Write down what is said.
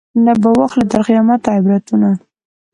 نه به واخلي تر قیامته عبرتونه